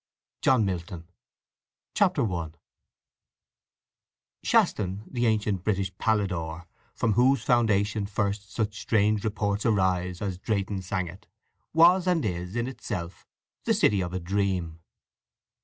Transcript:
_—J. MILTON. I Shaston, the ancient British Palladour, From whose foundation first such strange reports arise, (as Drayton sang it), was, and is, in itself the city of a dream.